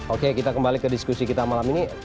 oke kita kembali ke diskusi kita malam ini